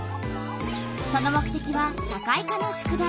その目てきは社会科の宿題。